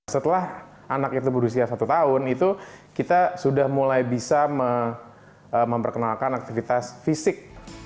setelah anak itu berusia satu tahun itu kita sudah mulai bisa memperkenalkan aktivitas fisik